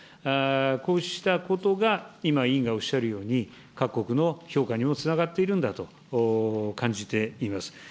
こうしたことが今、委員がおっしゃるように、各国の評価にもつながっているんだと感じています。